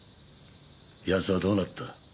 奴はどうなった？